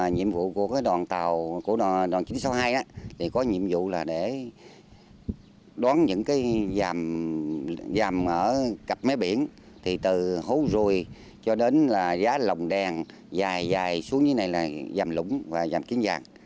nhiệm vụ của đoàn chín trăm sáu mươi hai là đoán những dàm ở cặp máy biển từ hố rùi cho đến giá lồng đèn dài xuống như này là dàm lũng và dàm kiến vàng